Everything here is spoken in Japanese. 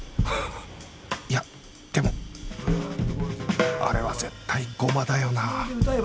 いやでもあれは絶対ゴマだよなあ